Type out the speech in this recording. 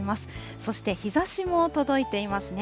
そして、日ざしも届いていますね。